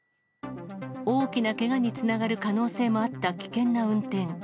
大きなけがにつながる可能性もあった危険な運転。